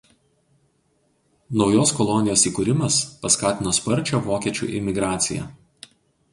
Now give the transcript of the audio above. Naujos kolonijos įkūrimas paskatino sparčią vokiečių imigraciją.